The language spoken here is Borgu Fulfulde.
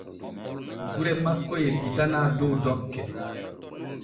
Gure makko yeggitanaa dow dokke.